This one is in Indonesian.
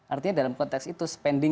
artinya dalam konteks itu spending